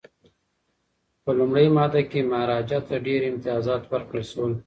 په لومړۍ ماده کي مهاراجا ته ډیر امتیازات ورکړل شول.